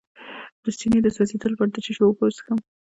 د سینې د سوځیدو لپاره د څه شي اوبه وڅښم؟